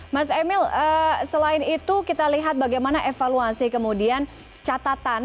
mas emil selain itu kita lihat bagaimana evaluasi kemudian catatan